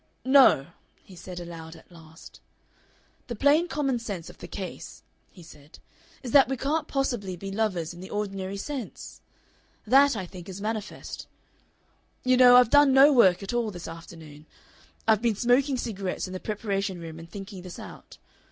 "No!" he said aloud at last. "The plain common sense of the case," he said, "is that we can't possibly be lovers in the ordinary sense. That, I think, is manifest. You know, I've done no work at all this afternoon. I've been smoking cigarettes in the preparation room and thinking this out.